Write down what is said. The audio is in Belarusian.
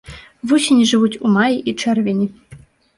Вусені жывуць у маі і чэрвені.